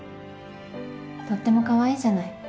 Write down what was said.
とっても可愛いじゃない。